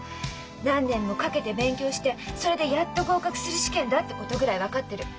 何年もかけて勉強してそれでやっと合格する試験だってことぐらい分かってる。